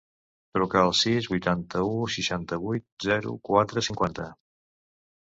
Truca al sis, vuitanta-u, seixanta-vuit, zero, quatre, cinquanta.